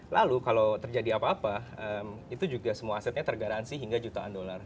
lalu kalau terjadi apa apa itu juga semua asetnya tergaransi hingga jutaan dolar